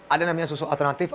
ada namanya susu alter altern